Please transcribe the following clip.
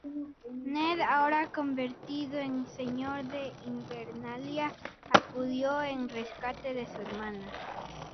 Ned, ahora convertido en señor de Invernalia, acudió en rescate de su hermana.